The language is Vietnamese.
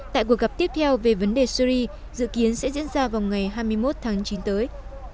tại cuộc gặp tiếp theo về vấn đề syri dự kiến sẽ diễn ra vào ngày hai mươi một tháng chín tới